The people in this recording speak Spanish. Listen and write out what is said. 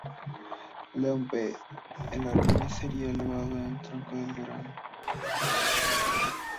León V el Armenio sería elevado al trono en el verano.